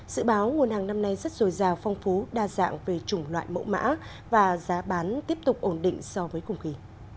sự báo nguồn hàng năm nay rất rồi giàu phong phú đa dạng về chủng loại mẫu mã và giá bán tiếp tục ổn định so với cùng kỳ